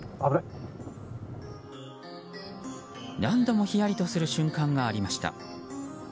何度もひやりとする瞬間がありました。